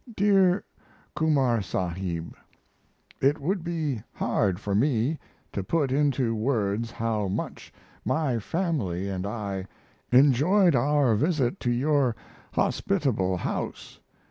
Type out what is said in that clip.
DEAR KUMAR SAHIB, It would be hard for me to put into words how much my family & I enjoyed our visit to your hospitable house.